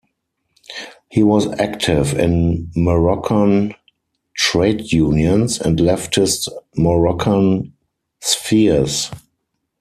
He was active in Moroccan trade unions and leftist Moroccan spheres.